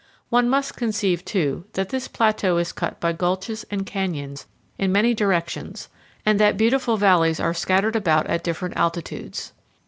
One must conceive, too, that this plateau is cut by gulches and canyons in many directions and that beautiful valleys are scattered about at different altitudes.